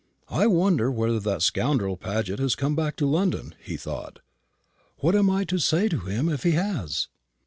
"I wonder whether that scoundrel Paget has come back to London?" he thought. "What am I to say to him if he has?